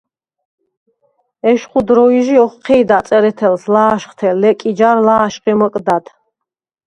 ეშხუ დროჲჟი ოხჴი̄და წერეთელს ლა̄შხთე ლეკი ჯარ ლა̄შხი მჷკდად.